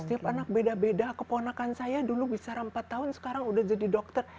setiap anak beda beda keponakan saya dulu bicara empat tahun sekarang udah jadi dokter